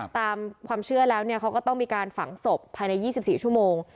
ตามความเชื่อแล้วเขาก็ต้องมีการฝังศพภายใน๒๔ชั่วโมง